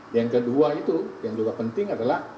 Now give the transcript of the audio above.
yang kedua itu yang juga penting adalah